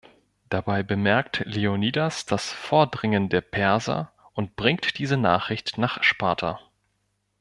Dabei bemerkt Leonidas das Vordringen der Perser und bringt diese Nachricht nach Sparta.